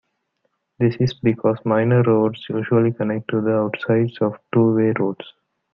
This is because minor roads usually connect to the outsides of two-way roads.